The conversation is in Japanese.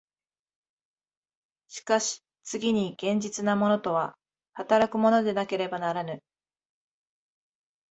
しかし次に現実的なものとは働くものでなければならぬ。